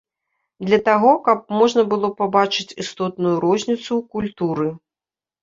Для таго, каб можна было пабачыць істотную розніцу ў культуры.